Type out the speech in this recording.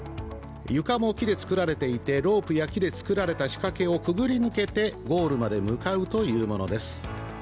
床も木で作られていてロープや木で作られた仕掛けをくぐり抜けてゴールまで向かうというものです。